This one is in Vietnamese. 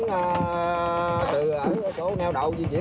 từ chỗ neo đậu di chuyển